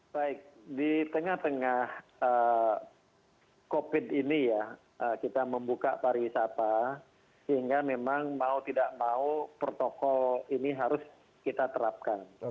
baik di tengah tengah covid ini ya kita membuka pariwisata sehingga memang mau tidak mau protokol ini harus kita terapkan